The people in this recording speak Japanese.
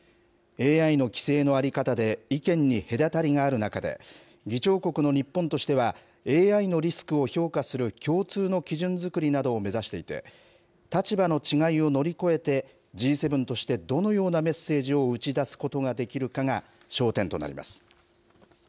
ＡＩの規制の在り方で意見に隔たりがある中で、議長国の日本としては、ＡＩのリスクを評価する共通の基準作りなどを目指していて、立場の違いを乗り越えて、Ｇ７として、どのようなメッセージを打ち出すことができるかが焦点となります。